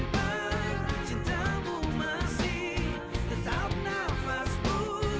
dia juga sepet mative